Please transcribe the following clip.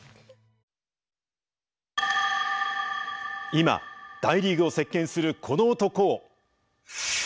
今大リーグを席けんするこの男を。